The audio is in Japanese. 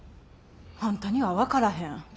あんたには分からへん。